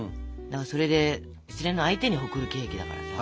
それで失恋の相手に贈るケーキだからさ。